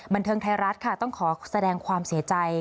บันเทิงไทยรัฐค่ะต้องขอแสดงความเสียใจ